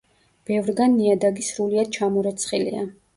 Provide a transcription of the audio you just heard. ბევრგან ნიადაგი სრულიად ჩამორეცხილია.